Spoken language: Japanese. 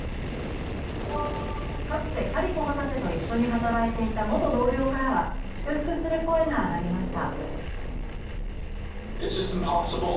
かつてカリコ博士と一緒に働いていた元同僚からは祝福する声が上がりました。